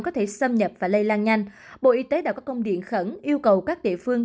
có thể xâm nhập và lây lan nhanh bộ y tế đã có công điện khẩn yêu cầu các địa phương